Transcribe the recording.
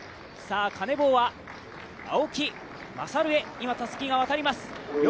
カネボウは青木優へ今、たすきが渡ります。